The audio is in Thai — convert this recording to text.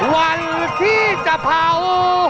วันที่จะเผา